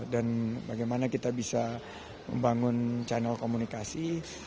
dan bagaimana kita bisa membangun channel komunikasi